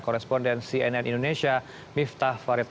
koresponden cnn indonesia miftah farid